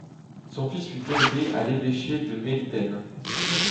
Son fils fut élevé à l'évêché de Mélitène.